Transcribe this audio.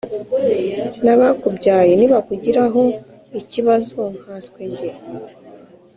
N’abakubyaye nibakugiraho ikibazo nkanswe njye